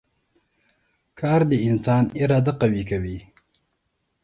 کار د انسان اراده قوي کوي